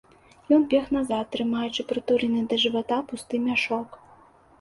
Ён бег назад, трымаючы прытулены да жывата пусты мяшок.